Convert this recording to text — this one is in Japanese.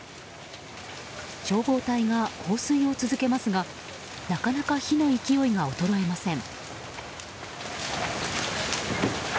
消防隊が放水を続けますがなかなか火の勢いが衰えません。